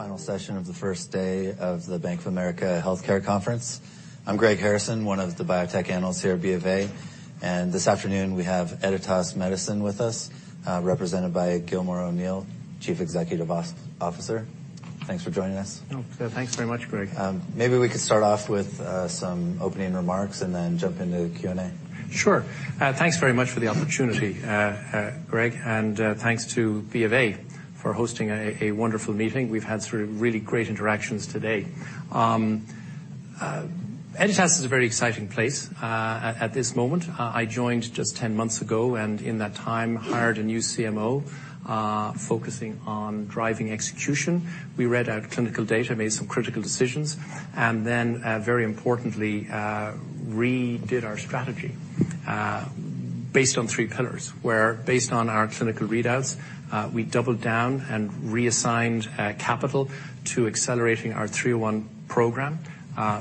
The final session of the first day of the Bank of America Healthcare Conference. I'm Greg Harrison, one of the biotech analysts here at BofA. This afternoon, we have Editas Medicine with us, represented by Gilmore O'Neill, Chief Executive Officer. Thanks for joining us. Oh, thanks very much, Greg. Maybe we could start off with some opening remarks and then jump into the Q&A. Sure. Thanks very much for the opportunity, Greg, and thanks to B of A for hosting a wonderful meeting. We've had sort of really great interactions today. Editas is a very exciting place at this moment. I joined just 10 months ago, and in that time hired a new CMO, focusing on driving execution. We read out clinical data, made some critical decisions, and then very importantly redid our strategy based on three pillars. Where based on our clinical readouts, we doubled down and reassigned capital to accelerating our EDIT-301 program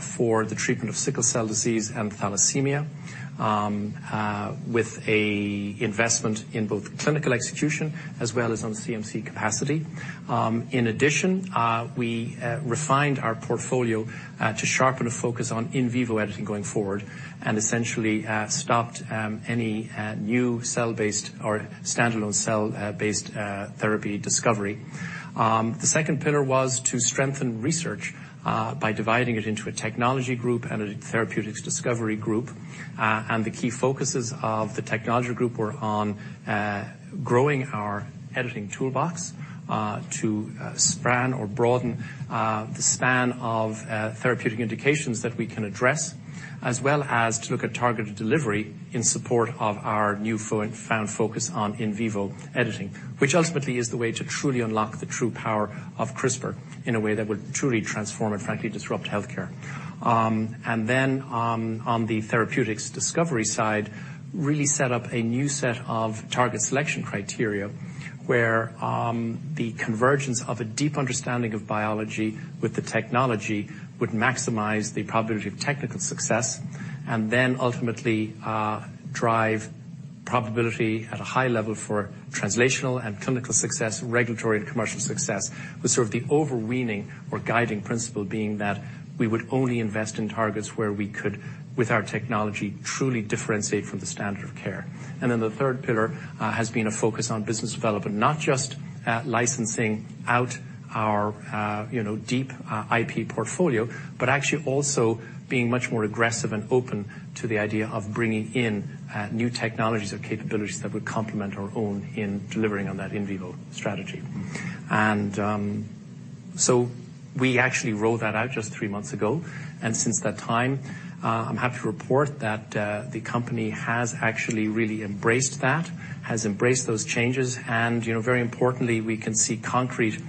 for the treatment of sickle cell disease and thalassemia, with a investment in both clinical execution as well as on CMC capacity. In addition, we refined our portfolio to sharpen a focus on in vivo editing going forward and essentially stopped any new cell-based or standalone cell based therapy discovery. The second pillar was to strengthen research by dividing it into a technology group and a therapeutics discovery group. The key focuses of the technology group were on growing our editing toolbox to span or broaden the span of therapeutic indications that we can address, as well as to look at targeted delivery in support of our newfound focus on in vivo editing, which ultimately is the way to truly unlock the true power of CRISPR in a way that would truly transform and frankly disrupt healthcare. On the therapeutics discovery side, really set up a new set of target selection criteria, where the convergence of a deep understanding of biology with the technology would maximize the probability of technical success and then ultimately, drive probability at a high level for translational and clinical success, regulatory and commercial success, with sort of the overweening or guiding principle being that we would only invest in targets where we could, with our technology, truly differentiate from the standard of care. The third pillar has been a focus on business development, not just licensing out our, you know, deep IP portfolio, but actually also being much more aggressive and open to the idea of bringing in new technologies or capabilities that would complement our own in delivering on that in vivo strategy. We actually rolled that out just 3 months ago. Since that time, I'm happy to report that the company has actually really embraced that, embraced those changes. You know, very importantly, we can see concrete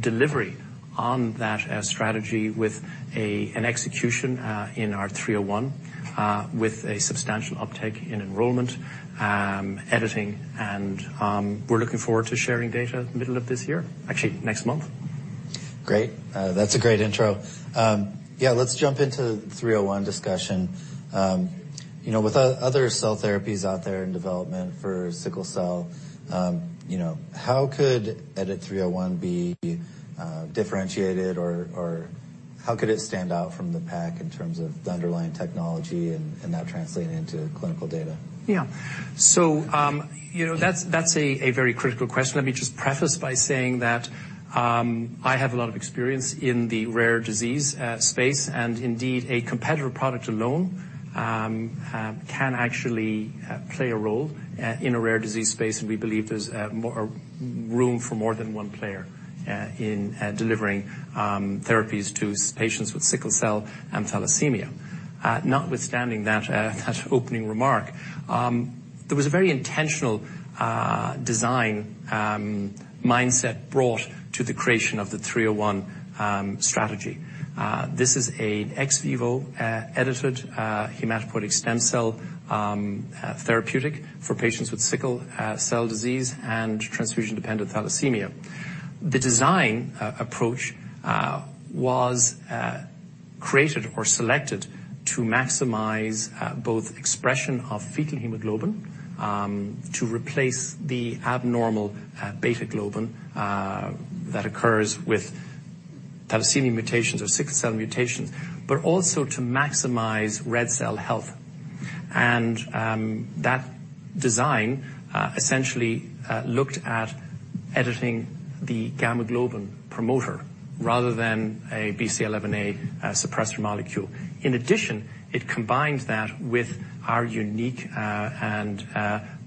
delivery on that strategy with an execution in our EDIT-301 with a substantial uptick in enrollment, editing, and we're looking forward to sharing data middle of this year. Actually, next month. Great. That's a great intro. Yeah, let's jump into 301 discussion. You know, with other cell therapies out there in development for sickle cell, you know, how could EDIT-301 be differentiated or how could it stand out from the pack in terms of the underlying technology and that translating into clinical data? You know, that's a very critical question. Let me just preface by saying that, I have a lot of experience in the rare disease space, and indeed, a competitor product alone, can actually play a role in a rare disease space. We believe there's room for more than one player in delivering therapies to patients with sickle cell and thalassemia. Notwithstanding that opening remark, there was a very intentional design mindset brought to the creation of the 301 strategy. This is a ex vivo edited hematopoietic stem cell therapeutic for patients with sickle cell disease and transfusion-dependent thalassemia. The design approach was created or selected to maximize both expression of fetal hemoglobin to replace the abnormal beta globin that occurs with thalassemia mutations or sickle cell mutations, but also to maximize red cell health. That design essentially looked at editing the gamma globin promoter rather than a BCL11A suppressor molecule. In addition, it combined that with our unique and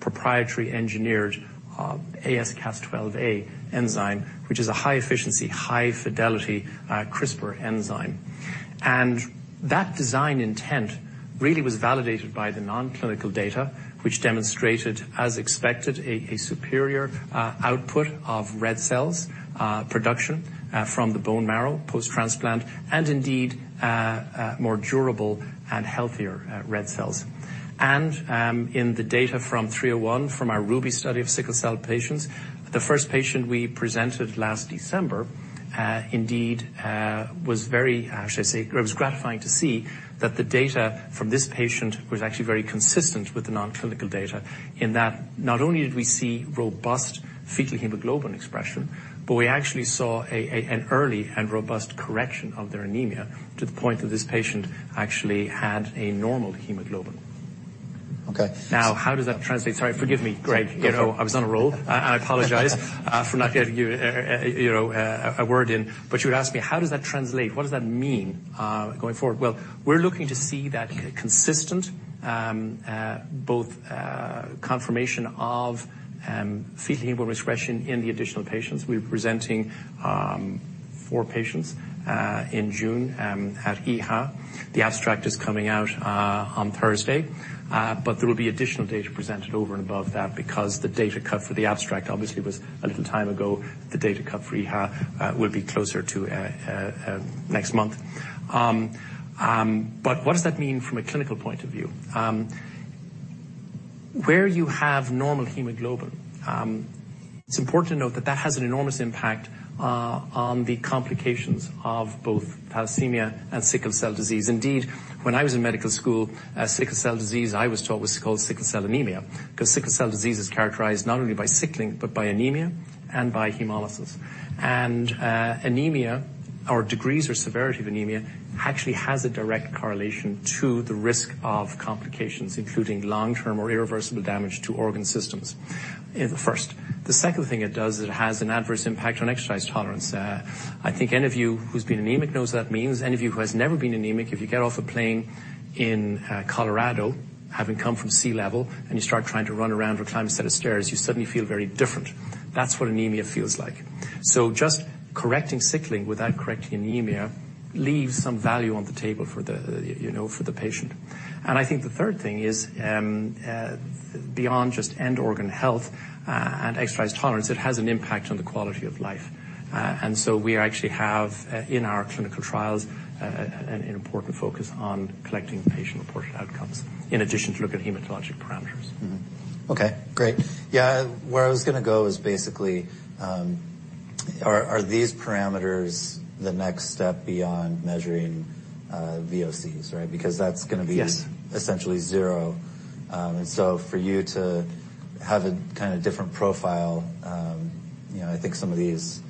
proprietary engineered AsCas12a enzyme, which is a high efficiency, high fidelity CRISPR enzyme. That design intent really was validated by the non-clinical data, which demonstrated, as expected, a superior output of red cells production from the bone marrow post-transplant, and indeed, more durable and healthier red cells. In the data from 301, from our RUBY study of sickle cell patients, the 1st patient we presented last December, indeed, was very, should I say, it was gratifying to see that the data from this patient was actually very consistent with the non-clinical data, in that not only did we see robust fetal hemoglobin expression, but we actually saw an early and robust correction of their anemia to the point that this patient actually had a normal hemoglobin. Okay. How does that translate? Sorry, forgive me, Greg. You know, I was on a roll. I apologize for not getting you know, a word in. You asked me how does that translate? What does that mean going forward? Well, we're looking to see that consistent, both, confirmation of fetal hemoglobin expression in the additional patients. We're presenting 4 patients in June at EHA. The abstract is coming out on Thursday. There will be additional data presented over and above that because the data cut for the abstract obviously was a little time ago. The data cut for EHA will be closer to next month. What does that mean from a clinical point of view? Where you have normal hemoglobin, it's important to note that that has an enormous impact on the complications of both thalassemia and sickle cell disease. Indeed, when I was in medical school, sickle cell disease, I was taught, was called sickle cell anemia, 'cause sickle cell disease is characterized not only by sickling but by anemia and by hemolysis. Anemia or degrees or severity of anemia actually has a direct correlation to the risk of complications, including long-term or irreversible damage to organ systems. First. The second thing it does, it has an adverse impact on exercise tolerance. I think any of you who's been anemic knows what that means. Any of you who has never been anemic, if you get off a plane in Colorado having come from sea level, and you start trying to run around or climb a set of stairs, you suddenly feel very different. That's what anemia feels like. Just correcting sickling without correcting anemia leaves some value on the table for the, you know, for the patient. I think the third thing is beyond just end organ health and exercise tolerance, it has an impact on the quality of life. We actually have in our clinical trials an important focus on collecting patient-reported outcomes in addition to looking at hematologic parameters. Okay, great. Yeah. Where I was gonna go is basically, are these parameters the next step beyond measuring VOCs, right? Yes. Essentially zero. For you to have a kind of different profile, you know, I think some of these,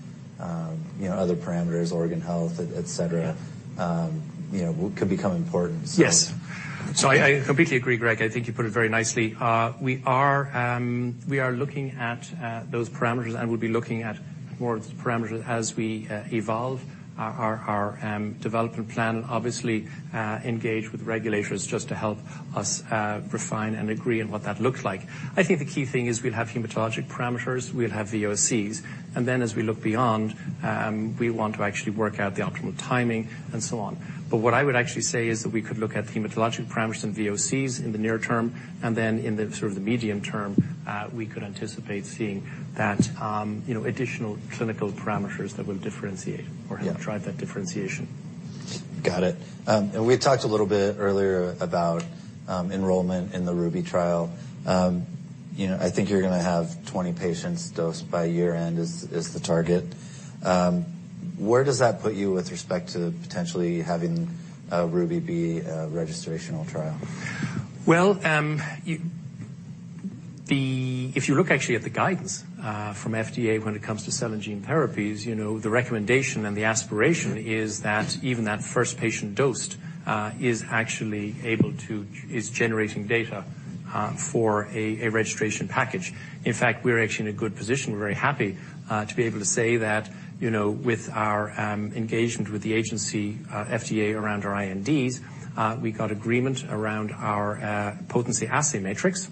you know, other parameters, organ health, et cetera. Yeah. you know, could become important. Yes. I completely agree, Greg. I think you put it very nicely. We are looking at those parameters, and we'll be looking at more parameters as we evolve our development plan, obviously, engage with regulators just to help us refine and agree on what that looks like. I think the key thing is we'll have hematologic parameters, we'll have VOCs, and then as we look beyond, we want to actually work out the optimal timing and so on. What I would actually say is that we could look at hematologic parameters and VOCs in the near term, and then in the sort of the medium term, we could anticipate seeing that, you know, additional clinical parameters that will differentiate or help drive that differentiation. Got it. We talked a little bit earlier about enrollment in the RUBY trial. You know, I think you're gonna have 20 patients dosed by year-end is the target. Where does that put you with respect to potentially having RUBY be a registrational trial? Well, if you look actually at the guidance from FDA when it comes to cell and gene therapies, you know, the recommendation and the aspiration is that even that first patient dosed is actually generating data for a registration package. In fact, we're actually in a good position. We're very happy to be able to say that, you know, with our engagement with the agency, FDA around our INDs, we got agreement around our potency assay matrix,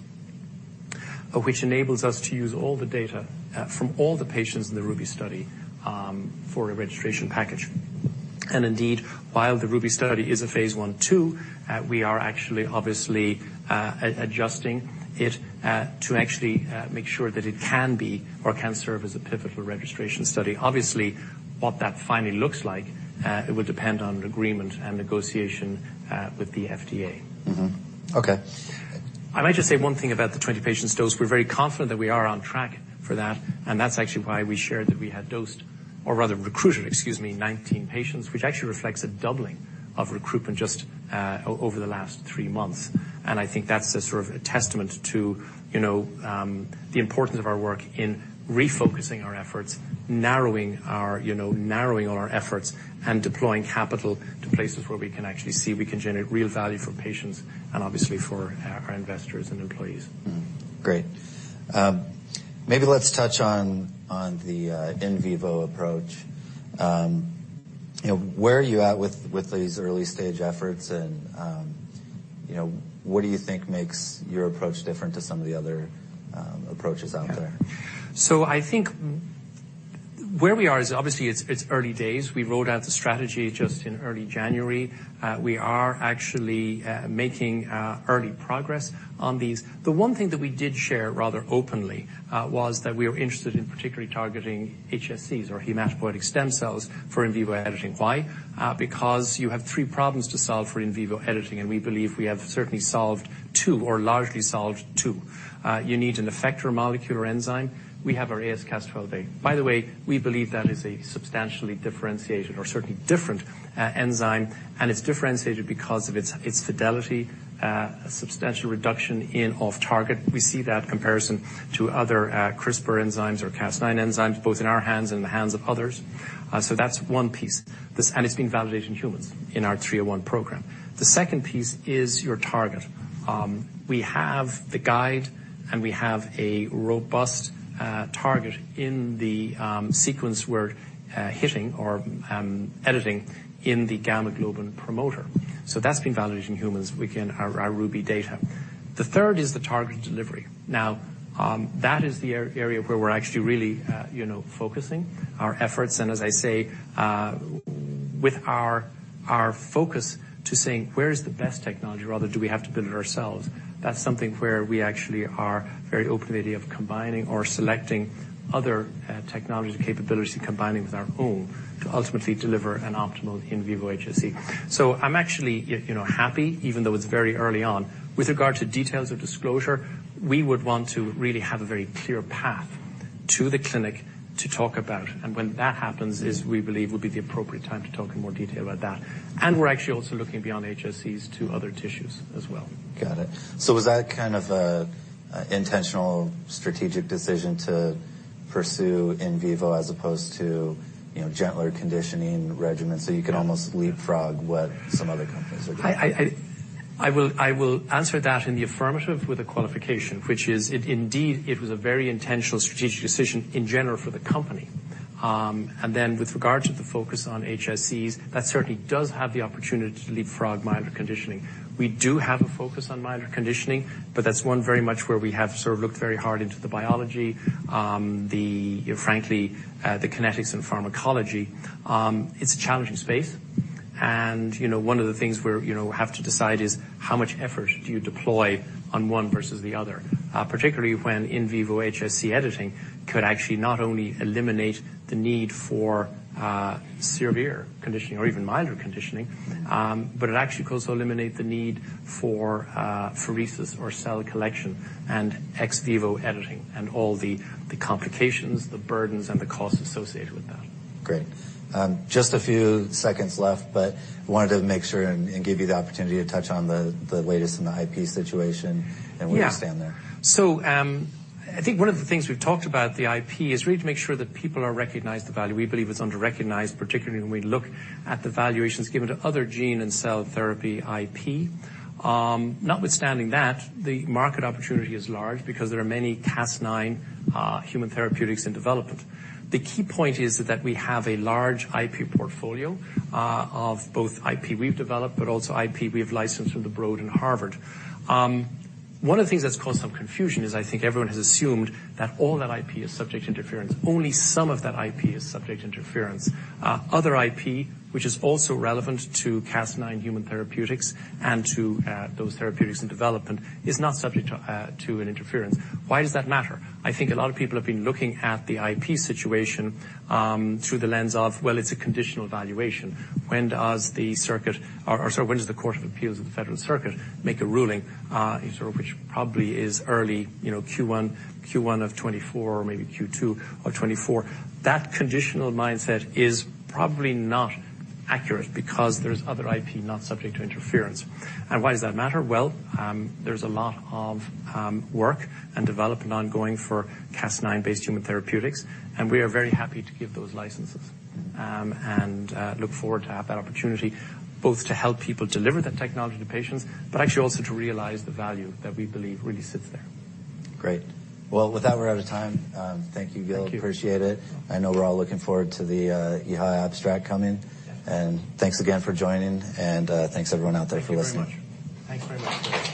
which enables us to use all the data from all the patients in the RUBY study for a registration package. Indeed, while the RUBY study is a Phase 1/2, we are actually obviously adjusting it to actually make sure that it can be or can serve as a pivotal registration study. Obviously, what that finally looks like, it will depend on agreement and negotiation, with the FDA. Mm-hmm. Okay. I might just say one thing about the 20 patients dosed. We're very confident that we are on track for that's actually why we shared that we had dosed or rather recruited, excuse me, 19 patients, which actually reflects a doubling of recruitment just over the last 3 months. I think that's a sort of a testament to, you know, the importance of our work in refocusing our efforts, narrowing our efforts, and deploying capital to places where we can actually see we can generate real value for patients and obviously for our investors and employees. Great. Maybe let's touch on the in vivo approach. You know, where are you at with these early-stage efforts and, you know, what do you think makes your approach different to some of the other approaches out there? I think where we are is obviously it's early days. We rolled out the strategy just in early January. We are actually making early progress on these. The one thing that we did share rather openly was that we are interested in particularly targeting HSCs or hematopoietic stem cells for in vivo editing. Why? Because you have 3 problems to solve for in vivo editing, and we believe we have certainly solved 2 or largely solved 2. You need an effector molecule or enzyme. We have our AsCas12a. By the way, we believe that is a substantially differentiation or certainly different e-enzyme, and it's differentiated because of its fidelity, a substantial reduction in off-target. We see that comparison to other CRISPR enzymes or Cas9 enzymes, both in our hands and the hands of others. That's one piece. It's been validated in humans in our EDIT-301 program. The second piece is your target. We have the guide, and we have a robust target in the sequence we're hitting or editing in the gamma globin promoter. That's been validated in humans within our RUBY data. The third is the targeted delivery. Now, that is the area where we're actually really, you know, focusing our efforts. As I say, with our focus to saying where is the best technology rather do we have to build it ourselves, that's something where we actually are very open to the idea of combining or selecting other technologies and capabilities and combining with our own to ultimately deliver an optimal in vivo HSC. I'm actually, you know, happy, even though it's very early on. With regard to details of disclosure, we would want to really have a very clear path to the clinic to talk about. When that happens is we believe will be the appropriate time to talk in more detail about that. We're actually also looking beyond HSCs to other tissues as well. Got it. Was that kind of a intentional strategic decision to pursue in vivo as opposed to, you know, gentler conditioning regimens so you can almost leapfrog what some other companies are doing? I will answer that in the affirmative with a qualification, which is it indeed it was a very intentional strategic decision in general for the company. With regard to the focus on HSCs, that certainly does have the opportunity to leapfrog milder conditioning. We do have a focus on milder conditioning, but that's one very much where we have sort of looked very hard into the biology, the, frankly, the kinetics and pharmacology. It's a challenging space. You know, one of the things we're, you know, have to decide is how much effort do you deploy on one versus the other, particularly when in vivo HSC editing could actually not only eliminate the need for severe conditioning or even milder conditioning, but it actually could also eliminate the need for apheresis or cell collection and ex vivo editing and all the complications, the burdens, and the costs associated with that. Great. Just a few seconds left, wanted to make sure and give you the opportunity to touch on the latest in the IP situation and where you stand there. Yeah. I think one of the things we've talked about the IP is really to make sure that people are recognized the value. We believe it's underrecognized, particularly when we look at the valuations given to other gene and cell therapy IP. Notwithstanding that, the market opportunity is large because there are many Cas9 human therapeutics in development. The key point is that we have a large IP portfolio of both IP we've developed, but also IP we have licensed from the Broad and Harvard. One of the things that's caused some confusion is I think everyone has assumed that all that IP is subject to interference. Only some of that IP is subject to interference. Other IP, which is also relevant to Cas9 human therapeutics and to those therapeutics in development, is not subject to an interference. Why does that matter? I think a lot of people have been looking at the IP situation through the lens of, well, it's a conditional valuation. When does the U.S. Court of Appeals for the Federal Circuit make a ruling, which probably is early, you know, Q1 of 2024 or maybe Q2 of 2024. That conditional mindset is probably not accurate because there's other IP not subject to interference. Why does that matter? Well, there's a lot of work and development ongoing for Cas9-based human therapeutics, we are very happy to give those licenses. Look forward to have that opportunity both to help people deliver that technology to patients, but actually also to realize the value that we believe really sits there. Great. Well, with that we're out of time. Thank you, Gil. Thank you. Appreciate it. I know we're all looking forward to the EHA abstract coming. Thanks again for joining and thanks everyone out there for listening. Thank you very much. Thanks very much. Thank you.